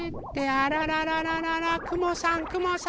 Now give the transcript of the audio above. あららららららくもさんくもさん！